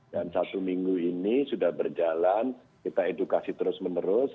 dan satu minggu ini sudah berjalan kita edukasi terus menerus